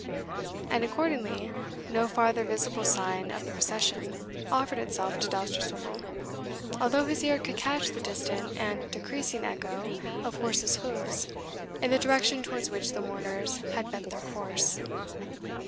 And accordingly no farther visible sign of the procession offered itself to Dousterswivel, although his ear could catch the distant and decreasing echo of horses' hoofs in the direction towards which the mourners had bent their course.